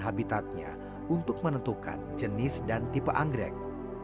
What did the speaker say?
habitatnya untuk menentukan jenis dan tipe anggrek